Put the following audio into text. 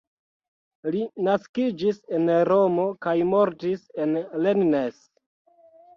Li naskiĝis en Romo kaj mortis en Rennes.